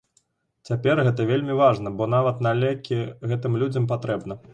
Цяпер гэта вельмі важна, бо нават на лекі гэтым людзям патрэбна.